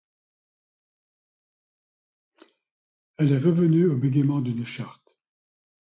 Elle est revenue au bégaiement d’une charte.